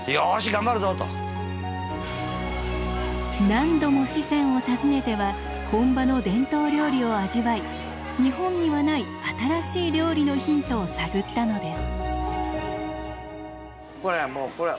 何度も四川を訪ねては本場の伝統料理を味わい日本にはない新しい料理のヒントを探ったのです。